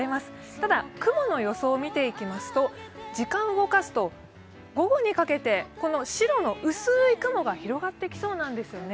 ただ、雲の予想を見ていきますと時間を動かすと、午後にかけて白の薄い雲が広がってきそうなんですよね。